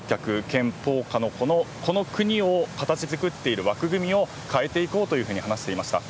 憲法下のこの国を形づくっている枠組みを変えていこうというふうに話していました。